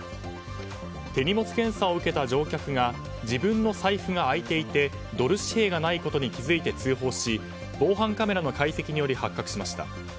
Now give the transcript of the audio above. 手荷物検査を受けた乗客が自分の財布が開いていてドル紙幣がないことに気づいて通報し防犯カメラの解析により発覚しました。